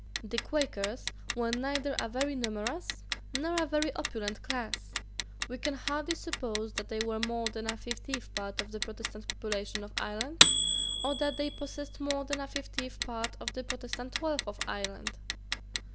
The Quakers were neither a very numerous nor a very opulent class. We can hardly suppose that they were more than a fiftieth part of the Protestant population of Ireland, or that they possessed more than a fiftieth part of the Protestant wealth of Ireland.